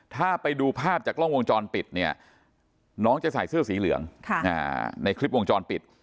ถ้าไปดูภาพจากกล้องวงจรปิดเนี่ยน้องจะใส่เสื้อสีเหลืองในคลิปวงจรปิด